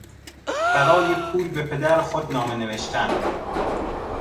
برای پول به پدر خود نامه نوشتن